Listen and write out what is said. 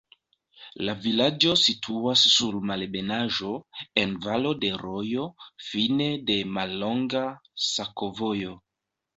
La vilaĝo situas sur malebenaĵo, en valo de rojo, fine de mallonga sakovojo.